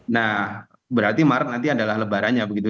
nah berarti maret nanti adalah lebarannya begitu